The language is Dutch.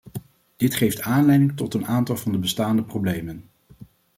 Dit geeft aanleiding tot een aantal van de bestaande problemen.